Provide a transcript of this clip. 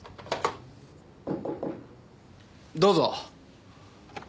どうぞ。